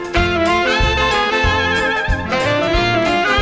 สวัสดีครับ